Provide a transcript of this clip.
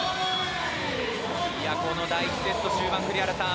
この第１セット終盤、栗原さん